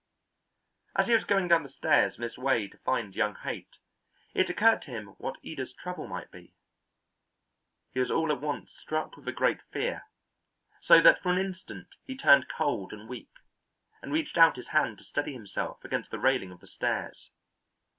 As he was going down the stairs on his way to find young Haight it occurred to him what Ida's trouble might be. He was all at once struck with a great fear, so that for an instant he turned cold and weak, and reached out his hand to steady himself against the railing of the stairs.